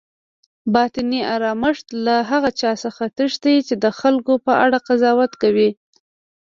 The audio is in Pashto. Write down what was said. باطني آرامښت له هغه چا څخه تښتي چی د خلکو په اړه قضاوت کوي